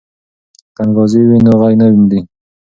که انګازې وي نو غږ نه مري.